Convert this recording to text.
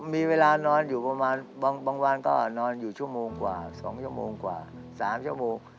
มีเวลานอนอยู่ประมาณบางวันก็นอนอยู่ชั่วโมงกว่า๒ชั่วโมงกว่า๓ชั่วโมง